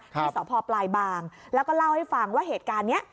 ที่สพปลายบางแล้วก็เล่าให้ฟังว่าเหตุการณ์นี้